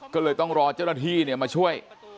ก็เลยต้องรอเจ้าหน้าที่มาช่วย